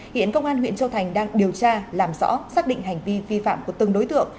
hiện công an huyện châu thành đang điều tra làm rõ xác định hành vi vi phạm của từng đối tượng